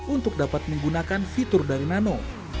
untuk dapat menggunakan fitur dari nano